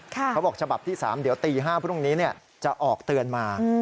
เขาบอกฉบับที่๓เดี๋ยวตี๕พรุ่งนี้จะออกเตือนมา